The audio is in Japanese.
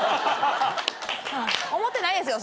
思ってないですよ。